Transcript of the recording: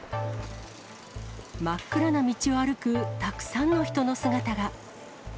真っ暗な道を歩く、たくさんの人の姿が。